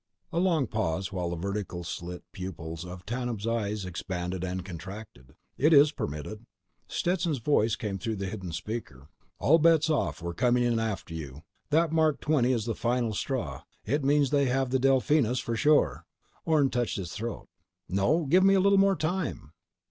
A long pause while the vertical slit pupils of Tanub's eyes expanded and contracted. "It is permitted." Stetson's voice came through the hidden speaker: "All bets off. We're coming in after you. That Mark XX is the final straw. It means they have the Delphinus for sure!" Orne touched his throat. _"No! Give me a little more time!"